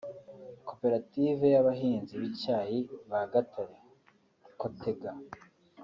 Koperative y’abahinzi b’icyayi ba Gatare (Cothega)